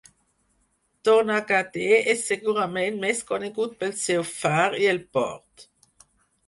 Donaghadee és segurament més conegut pel seu far i el port.